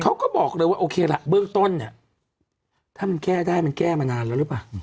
เขาก็บอกเลยว่าโอเคละเบื้องต้นเนี่ยถ้ามันแก้ได้มันแก้มานานแล้วหรือเปล่า